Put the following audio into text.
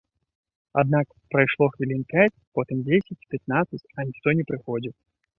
Аднак прайшло хвілін пяць, потым дзесяць, пятнаццаць, а ніхто не прыходзіў.